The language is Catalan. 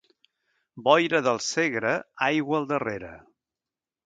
Boira del Segre, aigua al darrere.